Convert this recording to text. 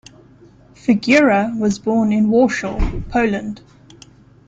Figura was born in Warsaw, Poland.